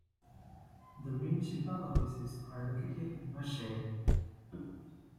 The municipal offices are located in Massey.